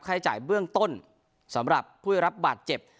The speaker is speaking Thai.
ใช้จ่ายเบื้องต้นสำหรับผู้ได้รับบาดเจ็บ